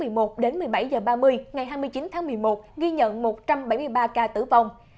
số bệnh nhân tử vong từ một mươi bảy h ba mươi ngày hai mươi chín tháng một mươi một ghi nhận một trăm bảy mươi ba ca tử vong